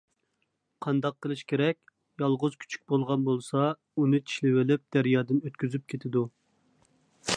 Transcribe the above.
قانداق قىلىش كېرەك؟ يالغۇز كۈچۈك بولغان بولسا ئۇنى چىشلىۋېلىپ دەريادىن ئۆتكۈزۈپ كېتىدۇ.